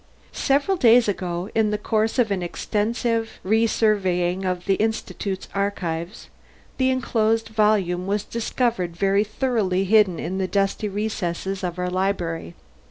_ _Several days ago, in the course of an extensive resurveying of the Institute's archives, the enclosed volume was discovered very thoroughly hidden in the dusty recesses of our library.